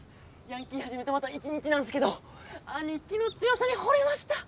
ヤンキー始めてまだ１日なんすけどアニキの強さにほれました。